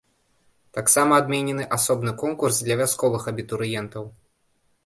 Таксама адменены асобны конкурс для вясковых абітурыентаў.